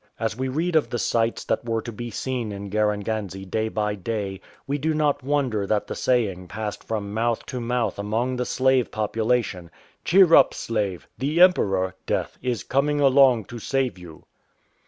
As we read of the sights that were to be seen in Garenganze day by day, we do not wonder that the saying passed from mouth to mouth among the slave population, " Cheer up, slave ! The Emperor (death) is coming along to save you."